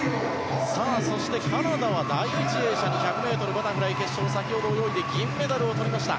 そしてカナダは、第１泳者１００ｍバタフライ決勝先ほど泳いで銀メダルを取りました